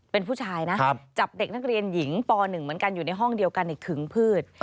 เป็นผู้ชายนะจับเด็กนักเรียนหญิงป๑เหมือนกันอยู่ในห้องเดียวกันในขึงพืช